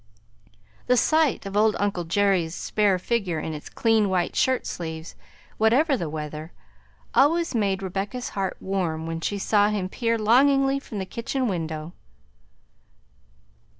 The sight of old uncle Jerry's spare figure in its clean white shirt sleeves, whatever the weather, always made Rebecca's heart warm when she saw him peer longingly from the kitchen window.